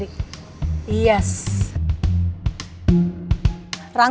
rangkul bawa tangannya satu di belakang